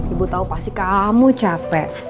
ibu tahu pasti kamu capek